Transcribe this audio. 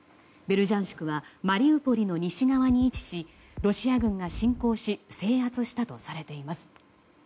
ベルジャンシクはマリウポリの西側に位置しロシア軍が侵攻し制圧したとされています。